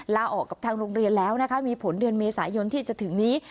ลาออกกับทางโรงเรียนแล้วนะคะมีผลเดือนเมษายนที่จะถึงนี้